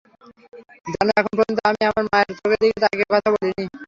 জানো, এখন পর্যন্ত আমি আমার মায়ের চোঁখের দিকে তাকিয়ে কথা বলিনি?